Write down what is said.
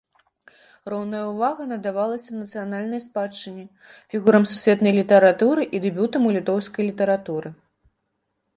Роўная ўвага надавалася нацыянальнай спадчыне, фігурам сусветнай літаратуры і дэбютам у літоўскай літаратуры.